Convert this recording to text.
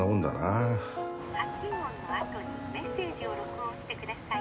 「発信音のあとにメッセージを録音してください」